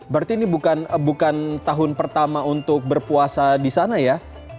berarti ini bukan tahun pertama untuk berpuasa di sana ya